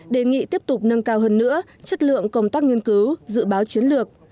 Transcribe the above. đề nghị tiếp tục nâng cao hơn nữa chất lượng công tác nghiên cứu dự báo chiến lược